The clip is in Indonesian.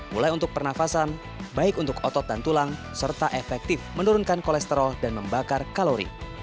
mulai untuk pernafasan baik untuk otot dan tulang serta efektif menurunkan kolesterol dan membakar kalori